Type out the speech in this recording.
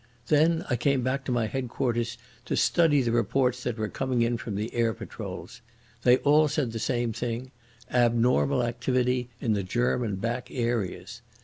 Then I came back to my headquarters to study the reports that were coming in from the air patrols. They all said the same thing—abnormal activity in the German back areas.